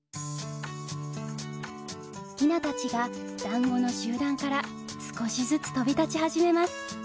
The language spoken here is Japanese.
ヒナたちが団子の集団から少しずつ飛び立ち始めます。